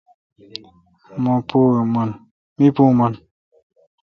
می پو من۔